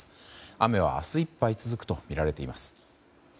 雨は明日いっぱい続くとみられています。